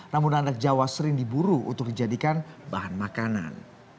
rambut landak jawa sering diburu untuk menjadikan bahan makanan